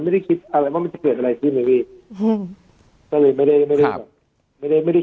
ไม่ได้คิดว่ามันจะเกิดอะไรขึ้นหรือไม่ได้คิดเลย